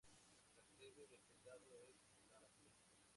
La sede del condado es Laramie.